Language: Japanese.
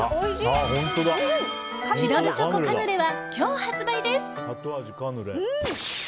チロルチョコカヌレは今日、発売です。